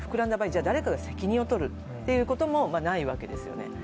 じゃあ誰かが責任をとるということもないわけですよね。